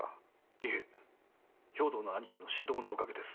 いえ豹堂のアニキの指導のおかげです。